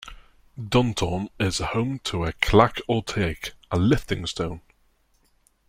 Duntulm is home to a clach-ultaich, a lifting stone.